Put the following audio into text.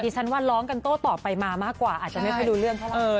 ฉันว่าร้องกันโต้ต่อไปมามากกว่าอาจจะไม่ค่อยรู้เรื่องเท่าไหร่